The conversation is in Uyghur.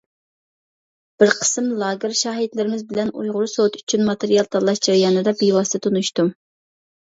بىر قىسىم لاگېر شاھىتلىرىمىز بىلەن ئۇيغۇر سوتى ئۈچۈن ماتېرىيال تاللاش جەريانىدا بىۋاسىتە تونۇشتۇم.